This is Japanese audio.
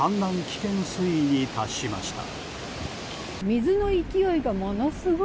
危険水位に達しました。